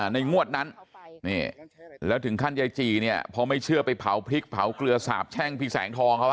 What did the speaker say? งวดนั้นแล้วถึงขั้นยายจีเนี่ยพอไม่เชื่อไปเผาพริกเผาเกลือสาบแช่งพี่แสงทองเขา